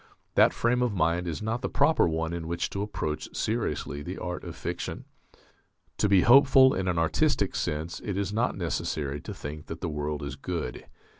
That frame of mind is not the proper one in which to approach seriously the art of fiction.... To be hopeful in an artistic sense it is not necessary to think that the world is good.